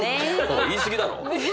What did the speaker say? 言いすぎだろ！